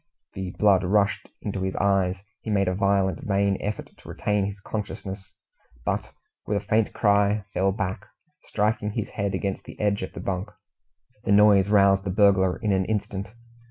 The blood rushed into his eyes and ears. He made a violent, vain effort to retain his consciousness, but with a faint cry fell back, striking his head against the edge of the bunk. The noise roused the burglar in an instant.